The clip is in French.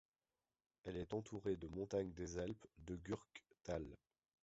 Elle est entourée de montagnes des Alpes de Gurktal.